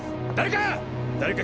誰か！